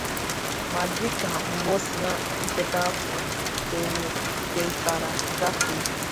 Ma dịka mgbọ si na mpụta afọ Terkura gafee